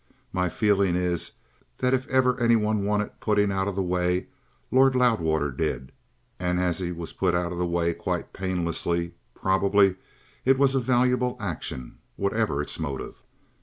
My feeling is that if ever any one wanted putting out of the way, Lord Loudwater did; and as he was put out of the way quite painlessly, probably it was a valuble action, whatever its motive."